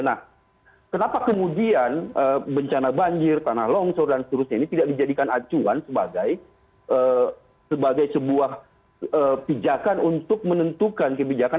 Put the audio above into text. nah kenapa kemudian bencana banjir tanah longsor dan seterusnya ini tidak dijadikan acuan sebagai sebuah pijakan untuk menentukan kebijakan